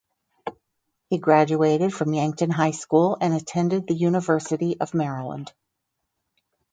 He graduated from Yankton High School and attended the University of Maryland.